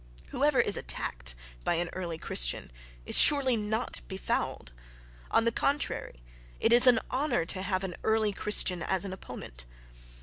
Whoever is attacked by an "early Christian" is surely not befouled.... On the contrary, it is an honour to have an "early Christian" as an opponent.